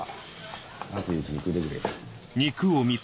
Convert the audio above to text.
熱いうちに食うてくれ。